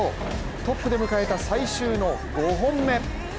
トップで迎えた最終の５本目。